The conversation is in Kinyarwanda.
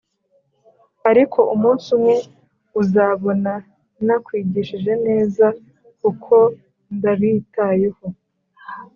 ariko umunsi umwe uzabona, nakwigishije neza kuko ndabitayeho.